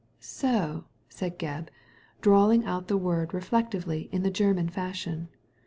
"So!" said Gebb, drawling out the word reflec tively in the German fashion.